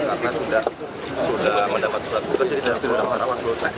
karena sudah mendapat surat tugas dari dpp golkar